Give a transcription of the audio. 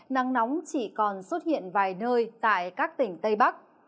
nắng nóng chỉ còn xuất hiện vài nơi tại các tỉnh tây bắc